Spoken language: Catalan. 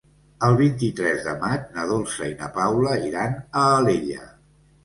El vint-i-tres de maig na Dolça i na Paula iran a Alella.